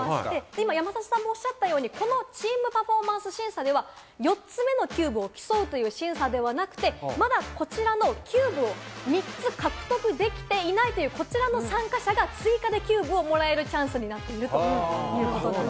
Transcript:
今、山里さんもおっしゃったように、このチーム・パフォーマンス審査では４つ目のキューブを競うという審査ではなくて、まだこちらのキューブを３つ獲得できていないという、こちらの参加者が、追加でキューブをもらえるチャンスになっているということです。